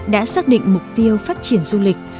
đã xác định mục tiêu phát triển du lịch